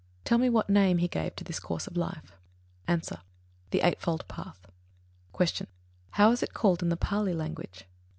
Tell me what name he gave to this course of life? A. The Noble Eightfold Path. 78. Q. _How is it called in the Pālī language?